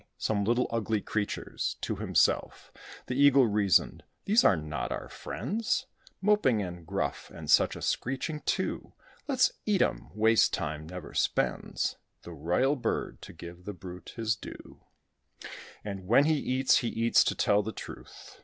Some little ugly creatures. To himself The Eagle reasoned, "These are not our friend's, Moping and gruff, and such a screeching, too: Let's eat 'em." Waste time never spends The royal bird, to give the brute his due; And when he eats, he eats, to tell the truth.